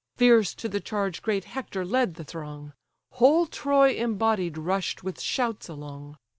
Fierce to the charge great Hector led the throng; Whole Troy embodied rush'd with shouts along.